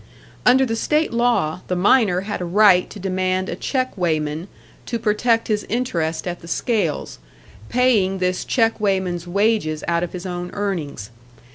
Under the state law, the miner had a right to demand a check weighman to protect his interest at the scales, paying this check weighman's wages out of his own earnings.